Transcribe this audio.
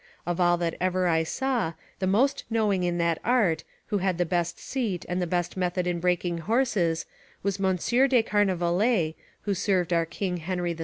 Of all that ever I saw, the most knowing in that art, who had the best seat and the best method in breaking horses, was Monsieur de Carnavalet, who served our King Henry II.